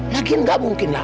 lagi gak mungkinlah